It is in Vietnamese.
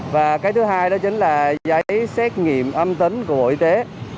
và cái thứ hai đó chính là giấy xét nghiệm âm tính của bộ y tế